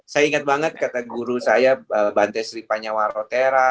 saya ingat banget kata guru saya bante sri panyawarotera